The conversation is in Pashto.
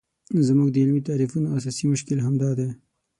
زموږ د علمي تعریفونو اساسي مشکل همدا دی.